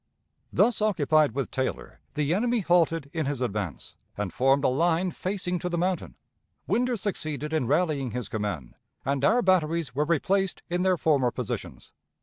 Thus occupied with Taylor, the enemy halted in his advance, and formed a line facing to the mountain. Winder succeeded in rallying his command, and our batteries were replaced in their former positions.